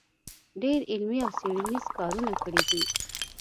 ډېر علمي او څېړنیز کارونه کړي دی